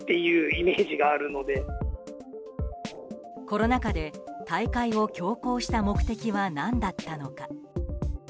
コロナ禍で大会を強行した目的は何だったのか。